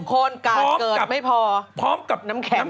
พร้อมกับพร้อมกับน้ำแข็ง